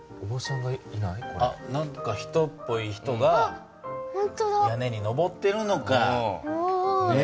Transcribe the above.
何か人っぽい人が屋根に上っているのかね？